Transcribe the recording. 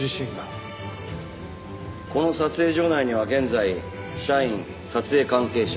この撮影所内には現在社員撮影関係者